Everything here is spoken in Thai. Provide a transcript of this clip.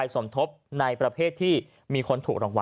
ให้นำเงินรางวัลที่เหลือไปสมทบในประเภทที่มีคนถูกรางวัล